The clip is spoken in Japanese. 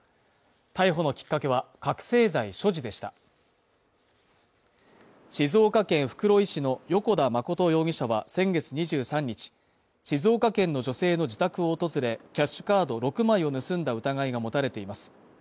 逮捕のきっかけは覚せい剤所持でした静岡県袋井市の与古田慎容疑者は先月２３日静岡県の女性の自宅を訪れキャッシュカード６枚を盗んだ疑いが持たれています